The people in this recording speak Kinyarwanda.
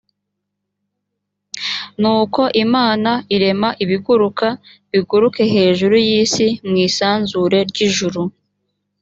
nuko imana irema ibiguruka biguruke hejuru y’isi mu isanzure ry’ijuru